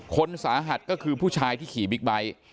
คนสาหัสก็คือผู้ชายที่ขี่บิ๊กไบท์